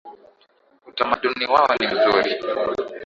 Utamaduni wao ni mzuri.